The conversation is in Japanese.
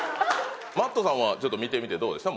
Ｍａｔｔさんはちょっと見てみてどうでした？